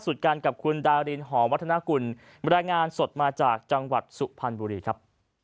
สุดกันกับคุณดารินเขาวัฒนาคุณมรดานงานสดมาจากจังหวัดศุภัณฑ์บุรีครับ